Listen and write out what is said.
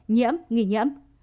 nhiễm nghi nhiễm